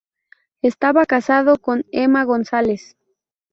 Estaba casado con Emma González.